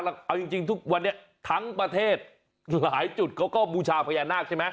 เอาจริงทุกวันนี้ทั้งประเทศหลายจุดเขาก็บูชาพญานาคใช่ไหม